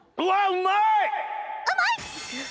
うまい！